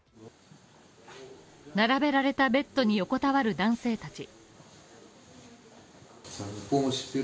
並べられたベッドに横たわる男性たち。